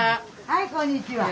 はいこんにちは。